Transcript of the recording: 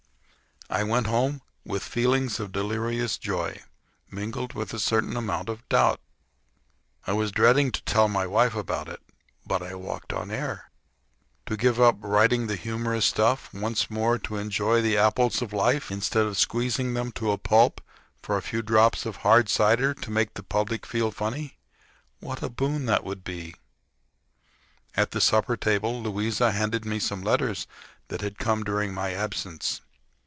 I went home with feelings of delirious joy, mingled with a certain amount of doubt. I was dreading to tell my wife about it. But I walked on air. To give up the writing of humorous stuff, once more to enjoy the apples of life, instead of squeezing them to a pulp for a few drops of hard cider to make the pubic feel funny—what a boon that would be! At the supper table Louisa handed me some letters that had come during my absence.